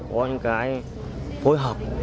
có những cái phối hợp